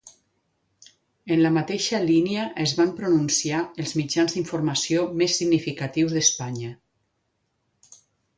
En la mateixa línia es van pronunciar els mitjans d'informació més significatius d'Espanya.